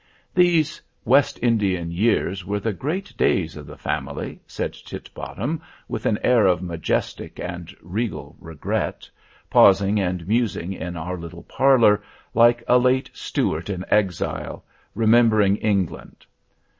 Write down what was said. "These West Indian years were the great days of the family," said Titbottom, with an air of majestic and regal regret, pausing and musing in our little parlor, like a late Stuart in exile, remembering England.